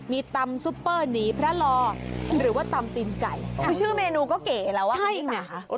มีตำซุปเปอร์นี้พระรอหรือว่าตำตีนไก่อ๋อคือเมนูก็เก๋แล้วว่าใช่ไหมอ๋อ